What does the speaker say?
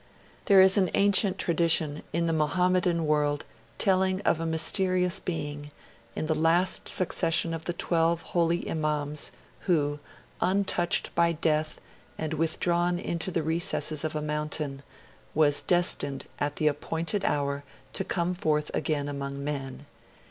There is an ancient tradition in the Mohammedan world, telling of a mysterious being, the last in succession of the twelve holy Imams, who, untouched by death and withdrawn into the recesses of a mountain, was destined, at the appointted hour, to come forth again among men.